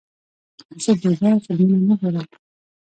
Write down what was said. زه بېځایه فلمونه نه ګورم.